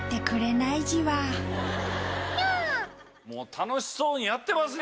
楽しそうにやってますね！